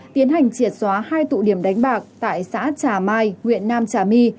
tiến hành triệt xóa hai tụ điểm đánh bạc tại xã trả mai huyện nam trả my